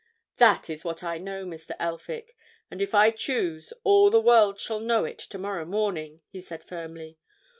"That is what I know, Mr. Elphick, and if I choose, all the world shall know it tomorrow morning!" he said firmly.